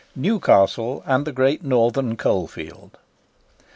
NEWCASTLE AND THE GREAT NORTHERN COAL FIELD.